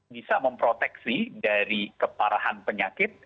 bisa memproteksi dari keparahan penyakit